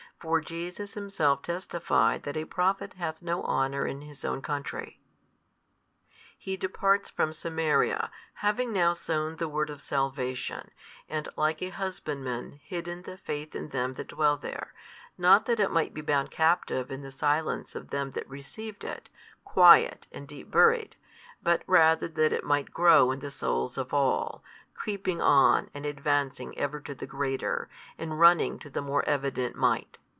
For Jesus Himself testified that a prophet hath no honour in his own country. He departs from Samaria, having now sown the Word of salvation, and like a husbandman hidden the faith in them that dwell there, not that it might be bound captive in the silence of them that received it, quiet and deep buried, but rather that it might grow in the souls of all, creeping on and advancing ever to the greater, and running to more evident might.